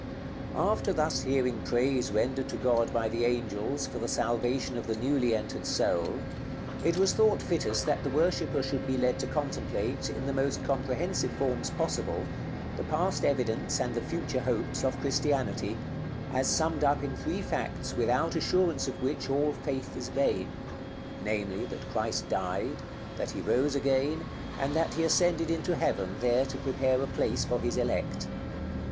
§ LXVIII. After thus hearing praise rendered to God by the angels for the salvation of the newly entered soul, it was thought fittest that the worshipper should be led to contemplate, in the most comprehensive forms possible, the past evidence and the future hopes of Christianity, as summed up in three facts without assurance of which all faith is vain; namely that Christ died, that He rose again, and that He ascended into heaven, there to prepare a place for His elect.